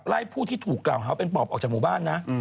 ผู้ที่ถูกกล่าวหาเป็นปอบออกจากหมู่บ้านนะ